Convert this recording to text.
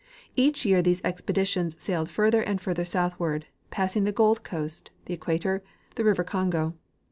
Each year these expeditions sailed further and further soutliAvard, passing the Gold coast, the equator, the river Congo.